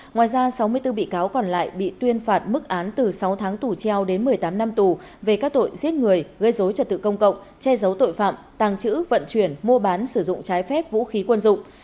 ngoài ra sáu mươi bốn bị cáo còn lại bị tuyên phạt mức án từ sáu tháng tù treo đến một mươi tám năm tù về các tội giết người gây dối trật tự công cộng che giấu tội phạm tàng trữ vận chuyển mua bán sử dụng trái phép vũ khí quân dụng